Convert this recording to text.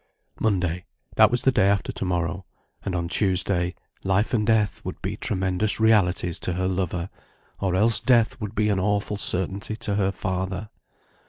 Monday: that was the day after to morrow, and on Tuesday, life and death would be tremendous realities to her lover; or else death would be an awful certainty to her father.